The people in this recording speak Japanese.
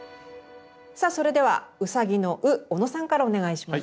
さあそれではうさぎの「う」小野さんからお願いします。